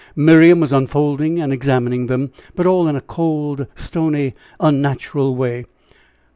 Miriam was unfolding and examining them; but all in a cold, stony, unnatural way.